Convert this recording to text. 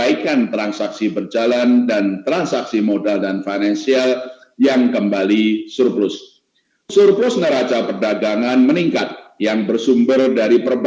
yang berasal dari perbaikan pemerintah dan pemerintah daerah